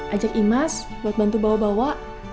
ajak imas buat bantu bawa bawa